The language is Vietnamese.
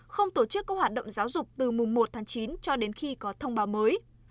không tổ chức các hoạt động giáo dục từ mùng một tháng chín cho đến khi có thông báo mới